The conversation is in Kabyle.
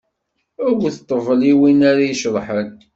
Wwet ṭṭbel i win ar a iceḍḥen.